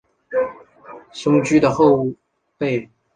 松驹的后辈。